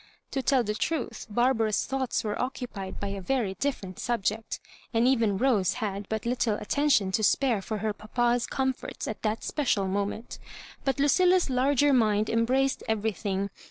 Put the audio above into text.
To tell the truth, Barbara's thoughts were occu pied by a very different subject ; and even Rose had but little attention to spare for her papa's comforts at that special moment But Lucilla's larger mind embraced everything.